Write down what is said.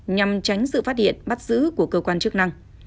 nhằm tránh sự phát hiện bắt giữ của cơ quan chức năng